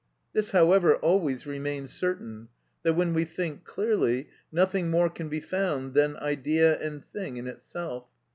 This, however, always remains certain, that, when we think clearly, nothing more can be found than idea and thing in itself.